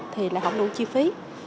thì lại không đủ chi phí